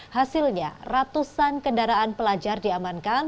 hasilnya ratusan kendaraan pelajar diamankan